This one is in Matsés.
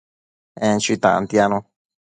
En chui tantianu